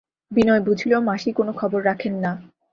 বিনয় বুঝিল মাসি কোনো খবর রাখেন না।